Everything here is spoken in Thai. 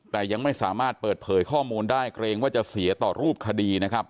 แต่ยังไม่สามารถเปิดเผยข้อมูลได้เกรงว่าจะเสียต่อรูปคดีนะครับ